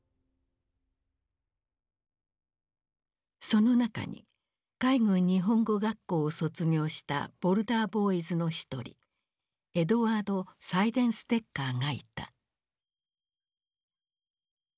その中に海軍日本語学校を卒業したボルダー・ボーイズの一人エドワード・サイデンステッカーがいた。